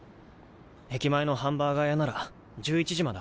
駅前のハンバーガー屋なら１１時まで開いて。